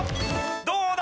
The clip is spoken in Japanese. どうだ？